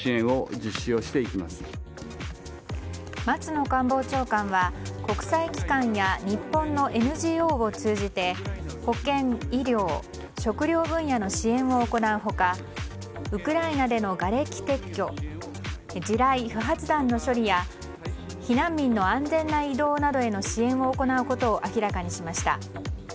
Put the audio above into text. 松野官房長官は国際機関や日本のＮＧＯを通じて保健・医療・食料分野の支援を行う他ウクライナでのがれき撤去地雷不発弾の処理や避難民の安全な移動などへの支援を行うことを明らかにしました。